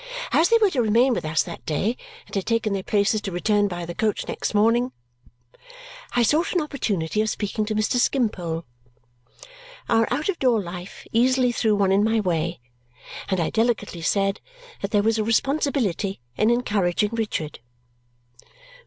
As they were to remain with us that day and had taken their places to return by the coach next morning, I sought an opportunity of speaking to Mr. Skimpole. Our out of door life easily threw one in my way, and I delicately said that there was a responsibility in encouraging Richard.